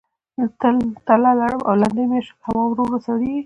تله ، لړم او لیندۍ میاشتو کې هوا ورو ورو سړیږي.